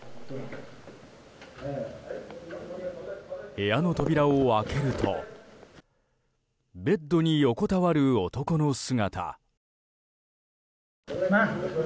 部屋の扉を開けるとベッドに横たわる男の姿。